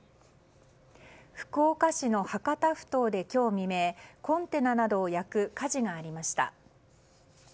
福岡市の博多ふ頭で今日未明コンテナなどを焼く火事がありました。